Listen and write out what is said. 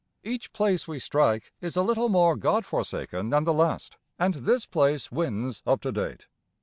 Each place we strike is a little more God forsaken than the last, and this place wins up to date.